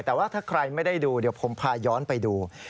แต่ว่าถ้าใครไม่ได้ดูเดี๋ยวผมพาย้อนไปดู